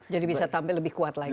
jadi bisa tampil lebih kuat lagi